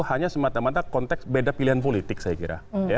hanya semata mata konteks beda pilihan politik saya kira